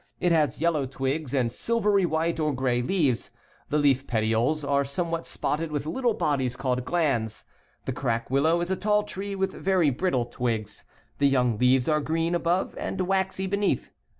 It has yellow twigs, and silvery white or gray leaves. The leaf petioles are somewhat spotted with little bodies called glands. The crack willow is a tall tree with very brittle twigs. The young leaves are green above and waxy beneath.